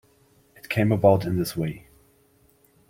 It came about in this way.